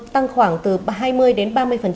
tăng khoảng từ hai mươi đến ba mươi